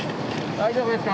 大丈夫ですか。